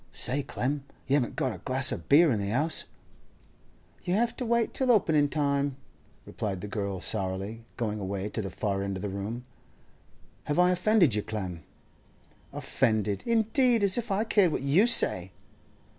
'Say, Clem, you haven't got a glass of beer in the house?' 'You'll have to wait till openin' time,' replied the girl sourly, going away to the far end of the room. 'Have I offended you, Clem?' 'Offended, indeed. As if I cared what you say!